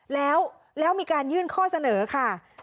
แล้วมีการยื่นข้อเสนอค่ะ